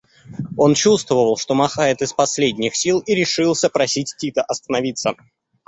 Он чувствовал, что махает из последних сил, и решился просить Тита остановиться.